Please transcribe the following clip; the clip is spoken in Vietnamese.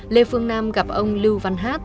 lê phương nam gặp ông lưu văn hát